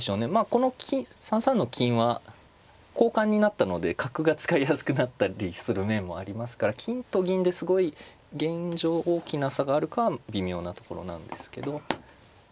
この３三の金は交換になったので角が使いやすくなったりする面もありますから金と銀ですごい現状大きな差があるかは微妙なところなんですけど。